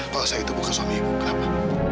kalau saya itu bukan suami ibu kenapa